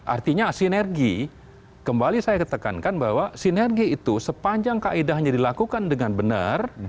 artinya sinergi kembali saya ketekankan bahwa sinergi itu sepanjang kaedahnya dilakukan dengan benar